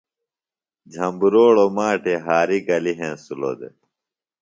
جھمبروڑو ماٹے ہاریۡ گلیۡ ہنسِلوۡ دےۡ۔